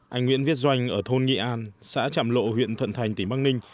anh nguyễn viết doanh ở thôn nghị an xã trạm lộ huyện thuận thành tỉnh bắc ninh